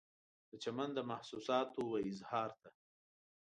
د چمن د محسوساتو و اظهار ته